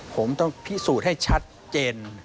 ผมต้องพิสูจน์ให้ชัดเจน